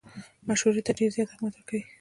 مشورو ته ډېر زیات اهمیت ورکوي.